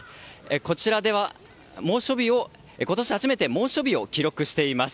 こちらでは、今年初めて猛暑日を記録しています。